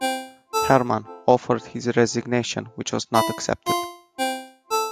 Herrmann offered his resignation, which was not accepted.